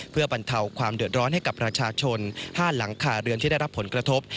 เพื่อบรรเทาความเดือดร้อนให้กับประชาชน๕หลังคาเรือนที่ได้รับผลกระทบ